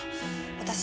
私